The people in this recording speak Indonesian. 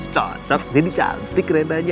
cocok jadi cantik keren aja